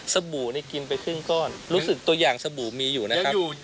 บู่นี่กินไปครึ่งก้อนรู้สึกตัวอย่างสบู่มีอยู่นะครับ